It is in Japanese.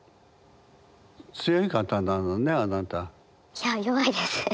いや弱いです。